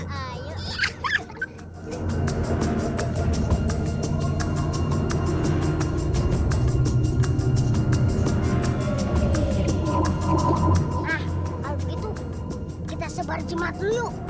nah kalau begitu kita sebar jemat dulu yuk